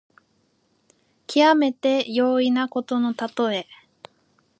きわめて容易なことのたとえ。